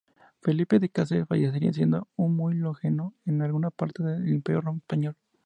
Felipe de Cáceres fallecería siendo muy longevo en alguna parte del Imperio español.